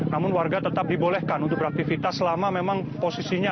namun warga tetap dibolehkan untuk beraktivitas selama memang posisinya